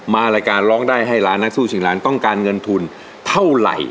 รายการร้องได้ให้ล้านนักสู้ชิงล้านต้องการเงินทุนเท่าไหร่